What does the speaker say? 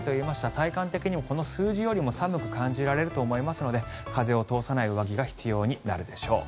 体感的にもこの数字よりも寒く感じられると思いますので風を通さない上着が必要になるでしょう。